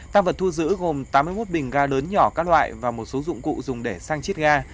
tăng vật thu giữ gồm tám mươi một bình ga lớn nhỏ các loại và một số dụng cụ dùng để sang chiết ga